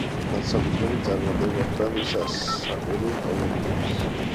განსაკუთრებული წარმატება ხვდა მის სატირულ კომედიებს.